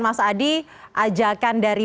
mas adi ajakan dari